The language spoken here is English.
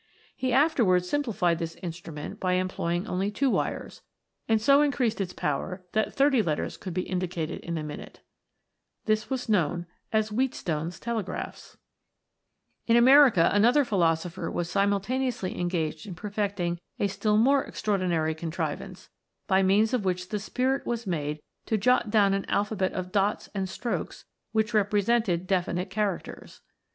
He afterwards simplified this instru ment by employing only two wires, and so increased its power that thirty letters could be indicated in a minute.* In America, another philosopher was simulta neously engaged in perfecting a still more extra ordinary contrivance, by means of which the Spirit was made to jot down an alphabet of dots and strokes which represented definite characters.